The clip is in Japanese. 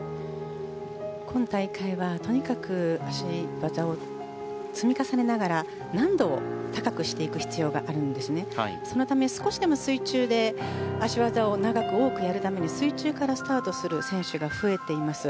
今大会はとにかく脚技を積み重ねながら難度を高くしていく必要があってそのため少しでも水中で脚技を長く多くやるために水中からスタートする選手が増えています。